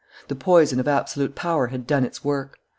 The poison of absolute power had done its work.